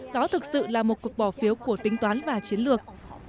đó thực sự là một cuộc bỏ phiếu của tính toán và chiến lược